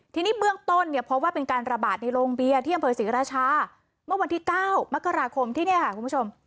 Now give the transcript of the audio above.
ทีนี้เบื้องต้นเนี่ยพบว่าเป็นการระบาดในโรงเบียร์ที่อำเภอศรีราชาเมื่อวันที่๙มกราคมที่เนี่ยค่ะคุณผู้ชม